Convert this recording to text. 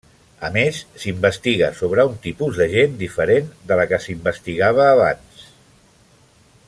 A més, s'investiga sobre un tipus de gent diferent de la que s'investigava abans.